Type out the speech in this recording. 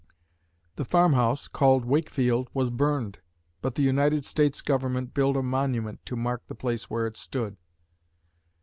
The farm house, called "Wakefield," was burned, but the United States Government built a monument to mark the place where it stood.